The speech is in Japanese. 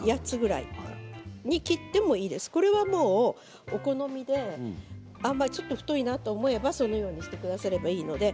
これはもうお好みでちょっと太いなと思えばそのようにしてくださればいいので。